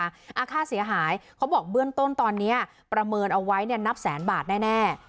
ค่าเสียหายเขาบอกเบื้องต้นตอนนี้ประเมินเอาไว้เนี่ยนับแสนบาทแน่